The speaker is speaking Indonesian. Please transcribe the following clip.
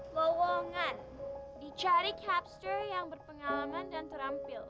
lowongan dicari capture yang berpengalaman dan terampil